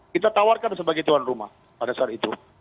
kita tawarkan sebagian rumah pada saat itu